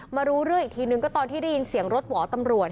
มารู้เรื่องอีกทีนึงก็ตอนที่ได้ยินเสียงรถหวอตำรวจ